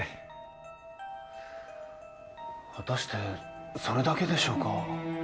果たしてそれだけでしょうか？